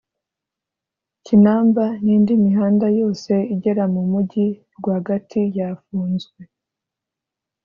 Kinamba n’indi mihanda yose igera mu mujyi rwagati yafunzwe